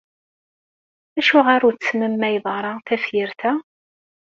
Acuɣer ur tesmemmayeḍ ara tafyirt-a?